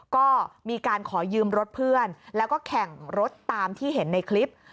ก็มีการขอยืมรถเพื่อนแล้วก็แข่งรถตามที่เห็นในคลิป